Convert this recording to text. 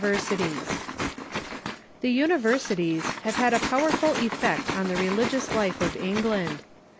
] The universities Iiave had a powerful effect on the religious life of England.